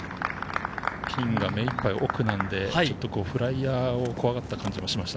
ピンがめいっぱい奥なので、フライヤーを怖がった感じがしました。